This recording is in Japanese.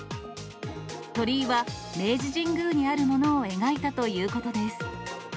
鳥居は明治神宮にあるものを描いたということです。